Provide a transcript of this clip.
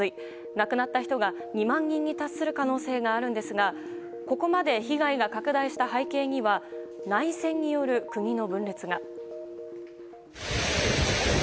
亡くなった人が２万人に達する可能性があるんですがここまで被害が拡大した背景には内戦による国の分裂が。